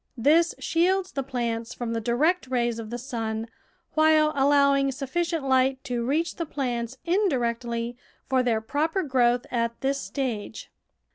This shields the plants from the direct rays of the sun, while allowing sufficient light to reach the plants indirectly for their proper growth at this stage.